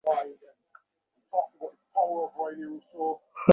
বুড়োমানুষ, লোক কাছে থাকিলেই কেবল বকিতে ইচ্ছা করে।